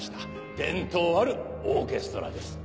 伝統あるオーケストラです。